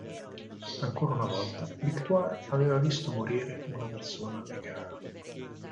Ancora una volta Victoire aveva visto morire una persona a lei cara.